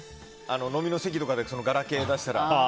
飲みの席とかでガラケーを出したら。